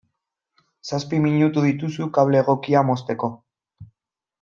Zazpi minutu dituzu kable egokia mozteko.